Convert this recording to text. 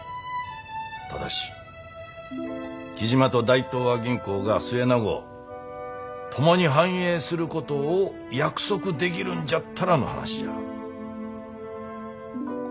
ただし雉真と大東亜銀行が末永う共に繁栄することを約束できるんじゃったらの話じゃ。